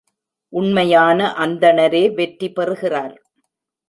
உண்மையான அந்தணரே வெற்றி பெறுகிறார்.